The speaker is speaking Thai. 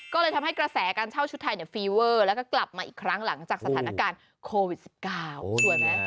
ก็เลยทำให้กระแสการเช่าชุดไทยฟีเวอร์แล้วก็กลับมาอีกครั้งหลังจากสถานการณ์โควิด๑๙สวยไหม